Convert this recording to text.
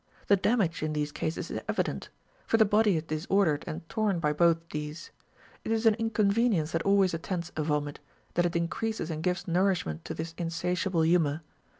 The damage in these cases is evident ; for the body is disordered and torn by both these. It is an inconvenience that always attends a vomit, that it increases and gives nourishment to this insatiable humor.